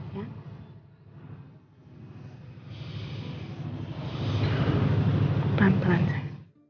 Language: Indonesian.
sampai jumpa lagi